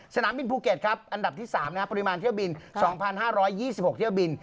สนามบินภูเก็ตครับอันดับที่๓ปริมาณเที่ยวบิน๒๕๒๖เที่ยวบิน